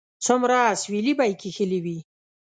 څومره اسويلي به یې کښلي وي